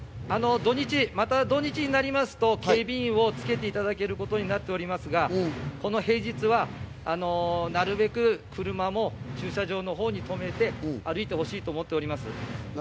土日になりますと警備員をつけていただけることになっておりますが、この平日はなるべく車も駐車場のほうにとめて歩いてほしいと思っております。